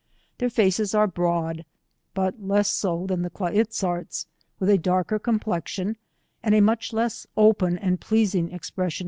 Their faces are broa^ but less •so than the Kia iz zarts, with a darker complexion, and a much less open and pleasing expression •!